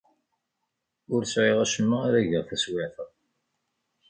Ur sɛiɣ acemma ara geɣ taswiɛt-a.